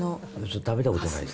食べたことないです。